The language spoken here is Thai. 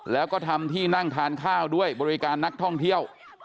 แล้วก็ทำที่นั่งทานข้าวด้วยบริการนักท่องเที่ยว